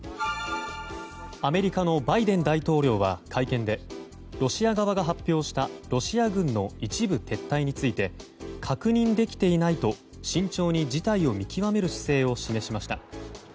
アメリカのバイデン大統領は会見でロシア側が発表したロシア軍の一部撤退について確認できていないと慎重に事態を見極める姿勢を示しました。